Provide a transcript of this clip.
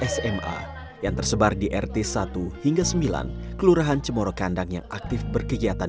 saya ngerasa kak saya terpanggil aja sih